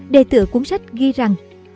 đề tựa cuốn sách ghi rằng